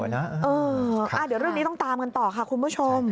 เดี๋ยวเรื่องนี้ต้องตามกันต่อค่ะคุณผู้ชม